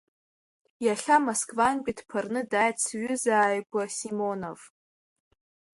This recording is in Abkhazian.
Иахьа Москвантәи дԥырны дааит сҩыза-ааигәа Симонов.